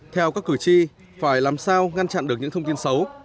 theo các cử tri phải làm sao ngăn chặn được những thông tin xấu